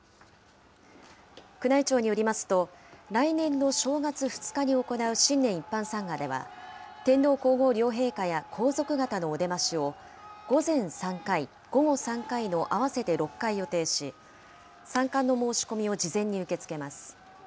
宮内庁によりますと、来年の正月２日に行う新年一般参賀では、天皇皇后両陛下や皇族方のお出ましを、午前３回、午後３回の合わせて６回予定し、参観の申し込みを事前に受け付けます。